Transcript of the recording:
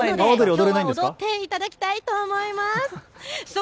きょう踊っていただきたいと思います。